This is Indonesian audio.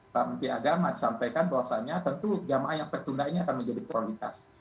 pak menteri agama disampaikan bahwasannya tentu jamaah yang tertunda ini akan menjadi prioritas